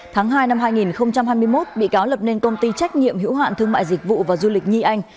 tháng hai năm hai nghìn hai mươi một bị cáo lập nên công ty trách nhiệm hữu hạn thương mại dịch vụ và du lịch nhi anh